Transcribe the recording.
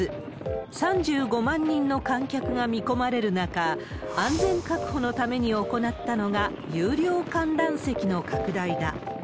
３５万人の観客が見込まれる中、安全確保のために行ったのが有料観覧席の拡大だ。